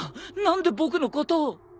何で僕のことを。